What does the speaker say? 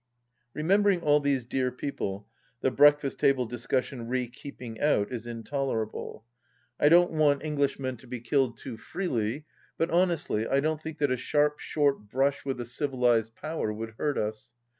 ... Remembering all these dear people, the breakfast table discussion re " keeping out " is intolerable. I don't want THE LAST DITCH 93 Englishmen to be killed too freely, but honestly, I don't think that a sharp, short brush with a civilised power would hurt us.